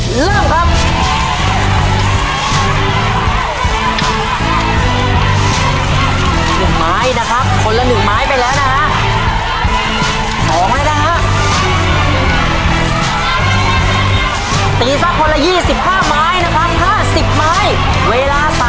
เริ่มครับ